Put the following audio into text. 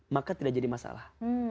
maka tidak jadi masalah